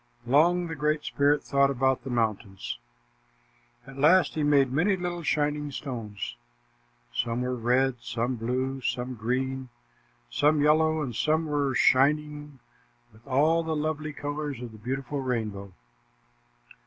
Long the Great Spirit thought about the mountains. At last, he made many little shining stones. Some were red, some blue, some green, some yellow, and some were shining with all the lovely colors of the beautiful rainbow.